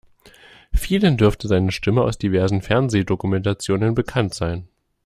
Vielen dürfte seine Stimme aus diversen Fernsehdokumentationen bekannt sein.